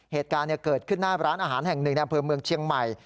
เหตุการณ์เกิดขึ้นหน้าร้านอาหารแห่งหนึ่งในอำเภอเมืองเชียงใหม่